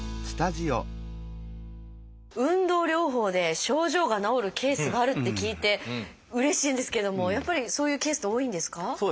運動療法で症状が治るケースがあるって聞いてうれしいんですけどもやっぱりそういうケースって多いんですか？